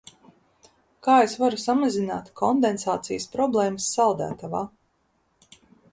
Kā es varu samazināt kondensācijas problēmas saldētavā?